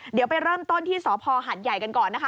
เดี๋ยวไปเริ่มต้นที่สพหัดใหญ่กันก่อนนะคะ